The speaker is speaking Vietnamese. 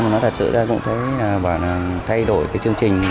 nó thật sự ra cũng thấy bảo là thay đổi cái chương trình